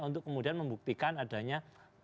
untuk kemudian membuktikan adanya